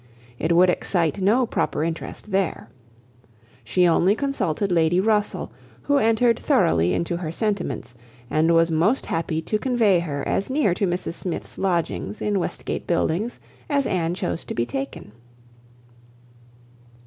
It would excite no proper interest there. She only consulted Lady Russell, who entered thoroughly into her sentiments, and was most happy to convey her as near to Mrs Smith's lodgings in Westgate Buildings, as Anne chose to be taken.